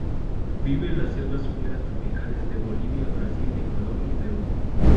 Vive en las selvas húmedas tropicales de Bolivia, Brasil, Ecuador y Perú.